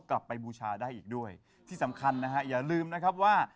บูชาได้อีกด้วยที่สำคัญนะฮะอย่าลืมนะครับว่า